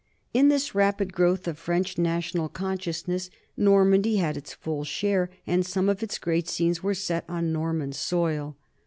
In this rapid growth of French national consciousness Normandy had its full share, and some of its great scenes are set on Norman soil.